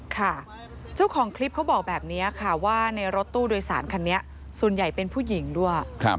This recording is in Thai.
ค่ะเจ้าของคลิปเขาบอกแบบนี้ค่ะว่าในรถตู้โดยสารคันนี้ส่วนใหญ่เป็นผู้หญิงด้วย